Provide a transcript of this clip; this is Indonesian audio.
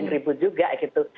ribut juga gitu